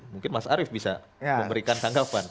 mungkin mas arief bisa memberikan tanggapan